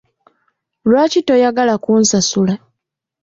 Lwaki toyagala kunsasula?